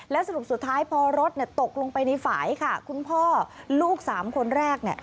แล้วสรุปสุดท้ายพอรถตกลงไปในฝ่ายค่ะคุณพ่อลูกสามคนแรกเนี่ย